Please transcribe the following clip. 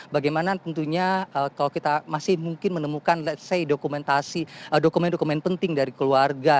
bagaimana tentunya kalau kita masih mungkin menemukan ⁇ lets ⁇ say dokumentasi dokumen dokumen penting dari keluarga